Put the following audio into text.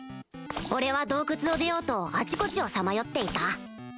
俺は洞窟を出ようとあちこちをさまよっていた